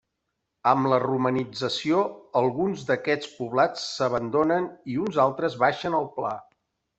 Amb la romanització, alguns d'aquests poblats s'abandonen i uns altres baixen al pla.